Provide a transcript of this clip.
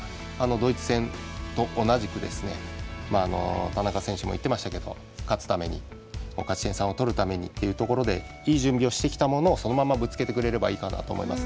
ドイツ戦と同じく田中選手も言ってましたけど勝つために勝ち点３を取るためにいい準備をしてきたものをそのままぶつけてくれればいいかなと思います。